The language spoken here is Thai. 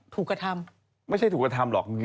ถูกกระทำไม่ใช่ถูกกระทำหรอก